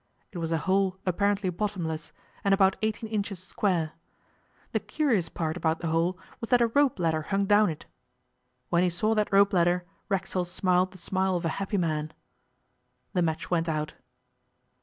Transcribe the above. It was a hole apparently bottomless, and about eighteen inches square. The curious part about the hole was that a rope ladder hung down it. When he saw that rope ladder Racksole smiled the smile of a happy man. The match went out.